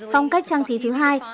phong cách trang trí thứ hai